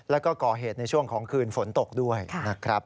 แล้วก็ก่อเหตุในช่วงของคืนฝนตกด้วยนะครับ